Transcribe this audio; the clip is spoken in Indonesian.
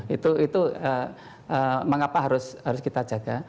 itu mengapa harus kita jaga